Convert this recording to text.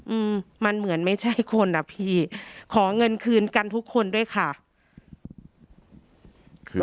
อืมมันเหมือนไม่ใช่คนอ่ะพี่ขอเงินคืนกันทุกคนด้วยค่ะคือ